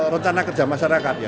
rencana kerja masyarakat